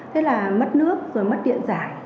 thế là mất nước rồi mất điện giải